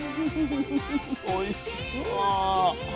おいしそう。